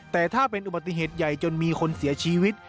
แต่ถ้าเป็นอุบัติเหตุใหญ่จนมีคนเสียชีวิต